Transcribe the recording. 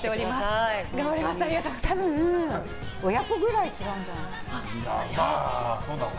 多分、親子ぐらい違うんじゃないかな？